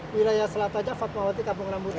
wilayah selataja fatmawati kampung rambutan